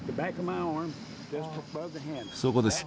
そこです。